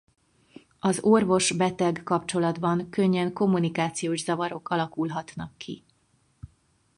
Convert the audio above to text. Az orvos-beteg kapcsolatban könnyen kommunikációs zavarok alakulhatnak ki.